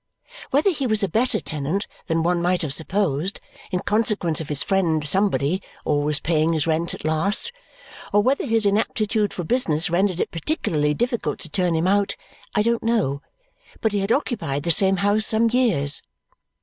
Whether he was a better tenant than one might have supposed, in consequence of his friend Somebody always paying his rent at last, or whether his inaptitude for business rendered it particularly difficult to turn him out, I don't know; but he had occupied the same house some years.